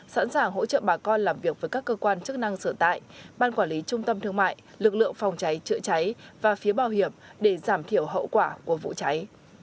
sẵn sàng hỗ trợ bà con làm việc với các cơ quan chức năng sở tại ban quản lý trung tâm thương mại lực lượng phòng cháy chữa cháy và phía bảo hiểm để giảm thiểu hậu quả của vụ cháy